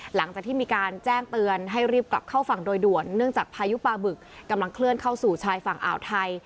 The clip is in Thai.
หลังจากที่มีการแจ้งเตือนให้รีบกลับเข้าฝั่งโดยด่วนเนื่องจากพายุปลาบึกกำลังเคลื่อนเข้าสู่ชายฝั่งอ่าวไทย